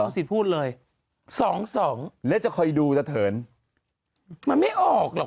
สิทธิ์พูดเลยสองสองแล้วจะคอยดูจะเถินมันไม่ออกหรอก